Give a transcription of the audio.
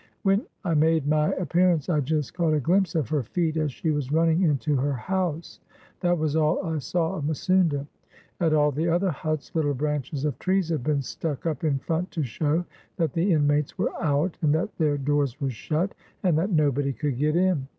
When I made my appearance I just caught a ghmpse of her feet as she was running into her house That was all I saw of Misounda. At all the other huts little branches of trees had been stuck up in front to show that the inmates were out, and that their doors were shut, and that nobody could get in.